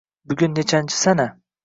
Bugun nechanchi sana?